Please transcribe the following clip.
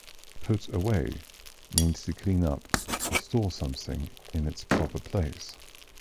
"Put away" means to clean up or store something in its proper place.